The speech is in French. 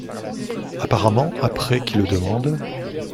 Apparemment après qui le demande !